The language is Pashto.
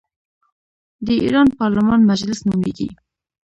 د ایران پارلمان مجلس نومیږي.